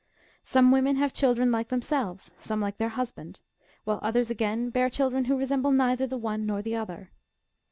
Some women have children like themselves, some like their husband, while others again bear children who resemble neither the one nor the other.